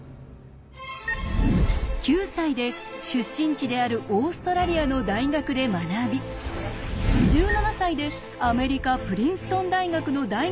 ９歳で出身地であるオーストラリアの大学で学び１７歳でアメリカプリンストン大学の大学院に入学。